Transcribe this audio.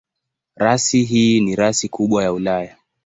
Rasi hii ni rasi kubwa ya Ulaya.